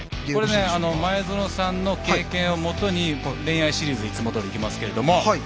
前園さんの経験をもとに恋愛シリーズをいつもどおりいきますけども。